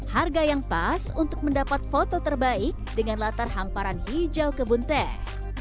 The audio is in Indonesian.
harga yang pas untuk mendapat foto terbaik dengan latar hamparan hijau kebun teh